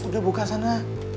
udah buka sana